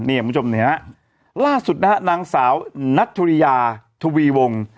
นี่คุณผู้ชมล่าสุดนะครับนางสาวนัทธุริยาทุวีวง